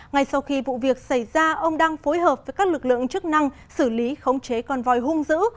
ngay sau khi vụ việc xảy ra ông đang phối hợp với các lực lượng chức năng xử lý khống chế con vòi hung dữ